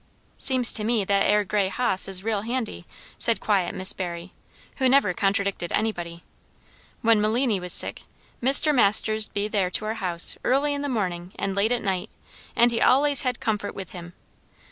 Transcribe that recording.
"Seems to me, that 'ere grey hoss is real handy," said quiet Miss Barry, who never contradicted anybody. "When Meliny was sick, Mr. Masters'd be there, to our house, early in the mornin' and late at night; and he allays had comfort with him.